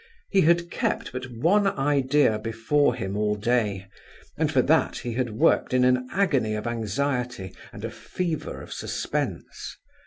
He had kept but one idea before him all day, and for that he had worked in an agony of anxiety and a fever of suspense.